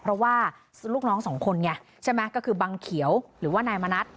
เพราะว่าลูกน้องสองคนไงใช่ไหมก็คือบังเขียวหรือว่านายมณัฐ